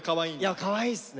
いやかわいいっすね。